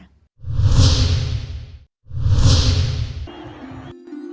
pertandingan rima fc melawan persebaya di stadion kanjuruhan